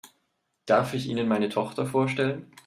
Darf ich Ihnen meine Tochter vorstellen?